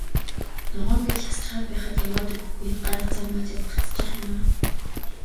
Ногоон гэрэл асчхаад байхад яваад өгөхгүй, гар утсаа маажаад гацчих юм аа.